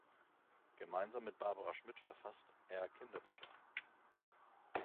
Gemeinsam mit Barbara Schmidt verfasst er Kinderbücher.